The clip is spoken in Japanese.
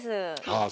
ああ